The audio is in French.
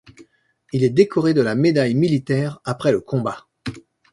Il est décoré de la Médaille militaire après le combat.